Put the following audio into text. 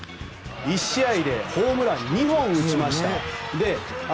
１試合でホームラン２本を打ちました。